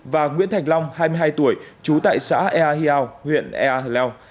và nguyễn thành long hai mươi hai tuổi trú tại xã ea hiau huyện ea hờ leo